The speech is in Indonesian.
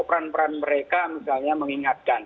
peran peran mereka misalnya mengingatkan